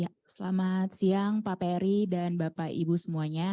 ya selamat siang pak perry dan bapak ibu semuanya